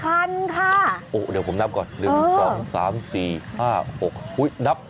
คันค่ะโอ้โหเดี๋ยวผมนับก่อนหนึ่งสองสามสี่ห้าหก